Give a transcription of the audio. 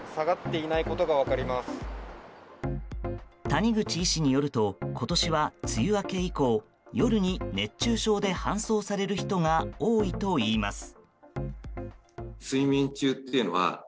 谷口医師によると今年は、梅雨明け以降夜に熱中症で搬送される人が多いといいます。